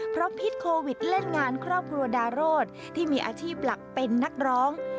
เพราะพิษโควิดเล่นงานครอบครัวดาโรธที่มีอาชีพหลักเป็นนักร้อง